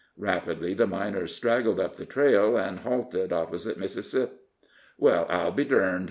Rapidly the miners straggled up the trail, and halted opposite Mississip. "Well, I'll be durned!"